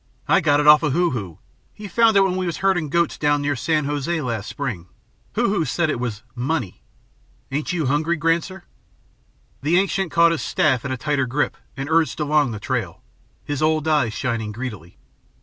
"I got it off of Hoo Hoo. He found it when we was herdin' goats down near San José last spring. Hoo Hoo said it was money. Ain't you hungry, Granser?" The ancient caught his staff in a tighter grip and urged along the trail, his old eyes shining greedily.